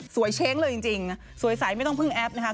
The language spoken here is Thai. เช้งเลยจริงสวยใสไม่ต้องพึ่งแอปนะคะ